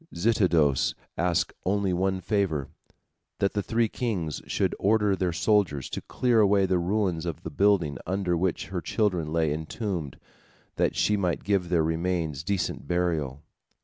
Zitidos asked only one favor, that the three kings should order their soldiers to clear away the ruins of the building under which her children lay entombed, that she might give their remains decent burial.